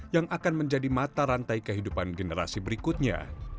yang akan menjadi mata rantai kehidupan generasi berikutnya